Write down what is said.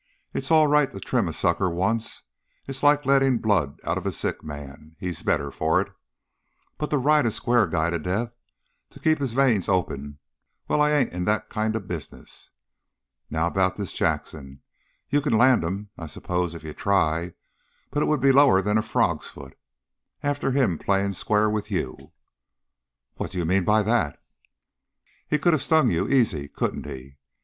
It's all right to trim a sucker once; it's like letting the blood of a sick man he's better for it. But to ride a square guy to death, to keep his veins open well, I ain't in that kind of business. Now about this Jackson; you can land him, I s'pose, if you try, but it would be lower than a frog's foot, after him playing square with you." "What do you mean by that?" "He could have stung you, easy, couldn't he?